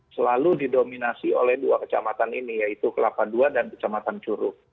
selalu didominasi oleh dua kecamatan ini yaitu kelapa ii dan kecamatan curug